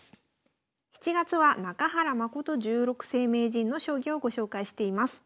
７月は中原誠十六世名人の将棋をご紹介しています。